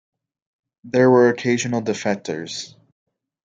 There were occasional defectors.